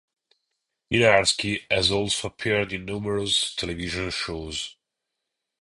Dynarski has also appeared in numerous television shows.